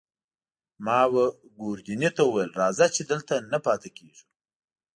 ما وه ګوردیني ته وویل: راځه، چې دلته نه پاتې کېږو.